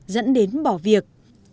dẫn đến bỏ việc